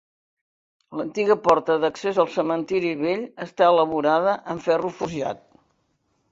L'antiga porta d'accés al cementiri vell està elaborada amb ferro forjat.